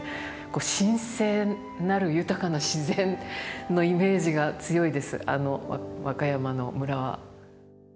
神聖なる豊かな自然のイメージが強いです和歌山の村は。